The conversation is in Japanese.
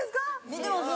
似てます？